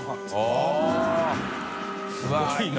△繊すごいな。